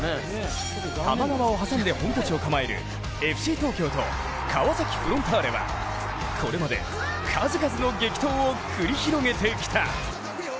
多摩川を挟んで本拠地を構えるＦＣ東京と川崎フロンターレはこれまで数々の激闘を繰り広げてきた。